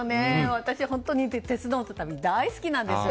私、鉄道旅大好きなんですよ。